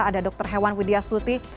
ada dr hewan widya stuti